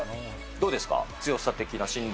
どうですか、強さ的な振動。